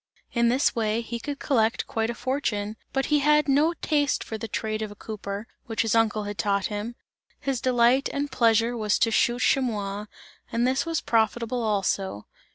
In this way he could collect quite a fortune, but he had no taste for the trade of a cooper, which his uncle had taught him; his delight and pleasure was to shoot chamois, and this was profitable also.